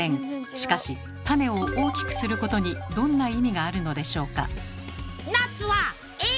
しかし種を大きくすることにどんな意味があるのでしょうか？